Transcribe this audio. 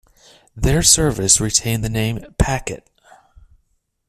Their services retained the name "Packet".